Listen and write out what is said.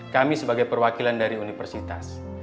kami sebagai perwakilan dari universitas